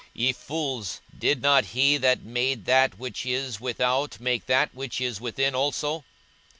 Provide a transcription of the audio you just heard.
42:011:040 Ye fools, did not he that made that which is without make that which is within also?